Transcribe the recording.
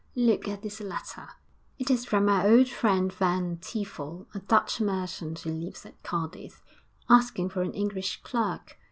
Look at this letter; it is from my old friend Van Tiefel, a Dutch merchant who lives at Cadiz, asking for an English clerk.